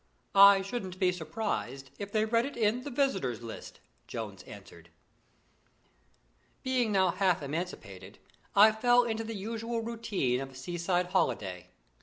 "I shouldn't be surprised if they read it in the Visitors' List," Jones answered. Being now half emancipated, I fell into the usual routine of a seaside holiday.